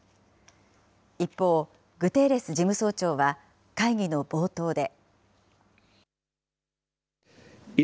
一方、グテーレス事務総長は会議の冒頭で。